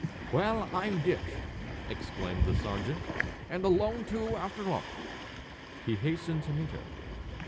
"Well, I'm dished!" exclaimed the sergeant. "And alone, too, after all!" He hastened to meet her.